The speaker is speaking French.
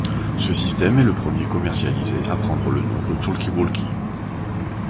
Ce système est le premier commercialisé à prendre le nom de Talkie-walkie.